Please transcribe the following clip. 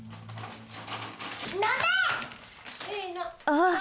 ああ！